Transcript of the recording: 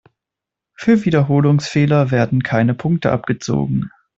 Für Wiederholungsfehler werden keine Punkte abgezogen.